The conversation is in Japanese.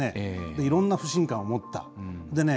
いろんな不信感を持った。